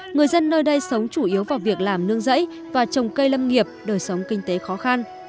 người dân nơi đây sống chủ yếu vào việc làm nương dẫy và trồng cây lâm nghiệp đời sống kinh tế khó khăn